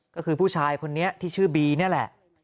ก็คือผู้ชายคนนี้ที่ชื่อบีนี่แหละ